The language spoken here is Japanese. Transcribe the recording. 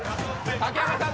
竹山さん